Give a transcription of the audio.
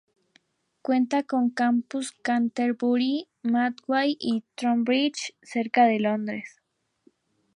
Cuenta con campus en Canterbury, Medway y Tonbridge, cerca de Londres.